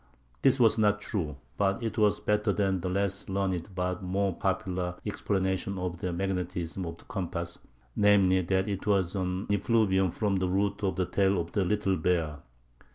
This was not true, but it was better than the less learned but more popular explanation of the magnetism of the compass—namely, that it was "an effluvium from the root of the tail of the Little Bear."